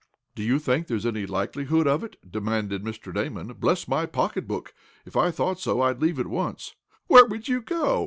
"Do you think there is any likelihood of it?" demanded Mr. Damon. "Bless my pocketbook! If I thought so I'd leave at once." "Where would you go?"